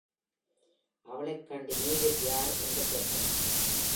அவளைக் கண்டு நீவீர் யார்? என்று கேட்டனர்.